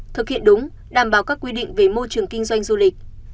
thực hiện đúng đảm bảo các quy định về môi trường kinh doanh du lịch